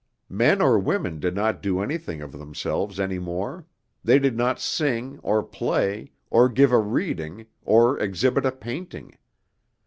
Men or women did not do anything of themselves any more, they did not sing or play, or give a reading, or exhibit a painting.